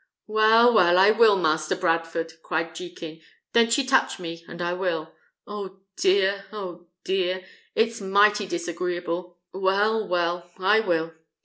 "Well, well; I will, Master Bradford," cried Jekin, "don't ye touch me, and I will. Oh dear! oh dear! it's mighty disagreeable. Well, well, I will!"